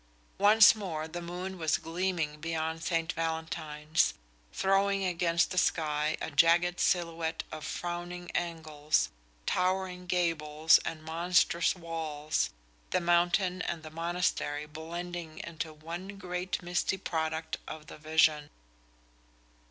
Once more the moon was gleaming beyond St. Valentine's, throwing against the sky a jagged silhouette of frowning angles, towering gables and monstrous walls, the mountain and the monastery blending into one great misty product of the vision.